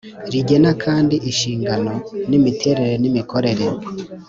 Rigena kandi inshingano imiterere n imikorere